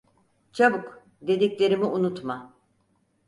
Çabuk, dediklerimi unutma.